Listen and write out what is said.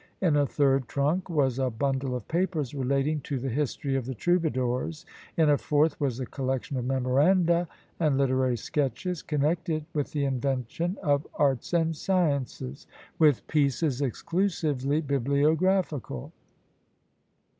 In a third trunk was a bundle of papers relating to the History of the Troubadours. In a fourth was a collection of memoranda and literary sketches connected with the invention of arts and sciences, with pieces exclusively bibliographical.